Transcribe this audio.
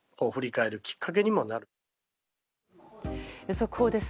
速報です。